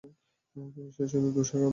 সে শুধু দোসা খাবে।